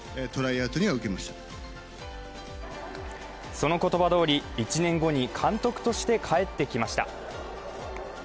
その言葉どおり、１年後に監督として帰ってきました。